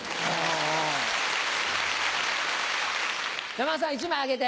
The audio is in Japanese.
山田さん１枚あげて。